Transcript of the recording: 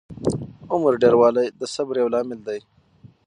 عمر ډېروالی د صبر یو لامل دی.